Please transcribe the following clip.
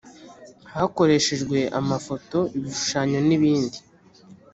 hakoreshejwe amafoto ibishushanyo n ibindi